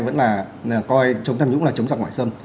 vẫn là coi chống thông dũng là chống dọc ngoại xâm